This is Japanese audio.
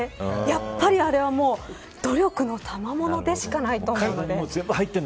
やっぱり、あれはもう努力のたまものでしかないと思って。